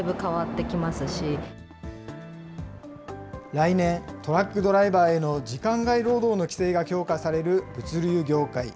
来年、トラックドライバーへの時間外労働の規制が強化される物流業界。